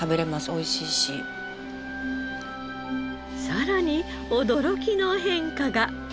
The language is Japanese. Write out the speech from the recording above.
さらに驚きの変化が。